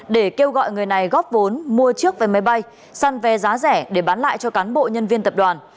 để kêu gọi người này góp vốn mua trước vé máy bay săn vé giá rẻ để bán lại cho cán bộ nhân viên tập đoàn